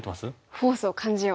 フォースを感じよう。